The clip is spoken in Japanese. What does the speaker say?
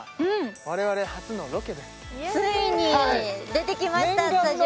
我々初のロケですついに出てきましたスタジオ